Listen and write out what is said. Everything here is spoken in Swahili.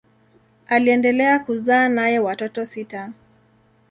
Aliendelea kuzaa naye watoto sita.